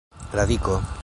radiko